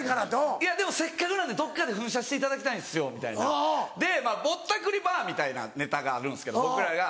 「でもせっかくなんでどっかで噴射していただきたいんすよ」。でぼったくりバーみたいなネタがあるんですけど僕らが。